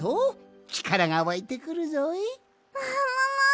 ももも！